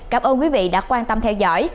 cảm ơn quý vị đã quan tâm theo dõi